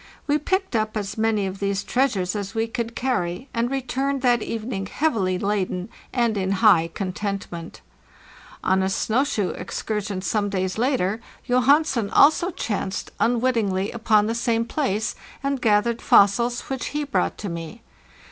We picked up as many of these treas ures as we could carry, and returned that evening heavily laden and in high contentment. Ona snow shoe excur 560 FARTHEST NORTH sion some days later Johansen also chanced unwittingly upon the same place, and gathered fossils, which he brought to me.